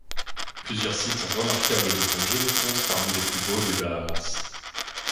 Plusieurs sites remarquables de plongée comptent parmi les plus beaux des Bahamas.